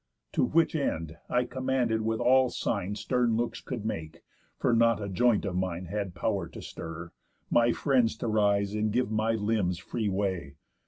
To which end I commanded with all sign Stern looks could make (for not a joint of mine Had pow'r to stir) my friends to rise, and give My limbs free way.